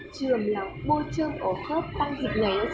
trường lòng bôi trơm ổ khớp tăng dịch gầy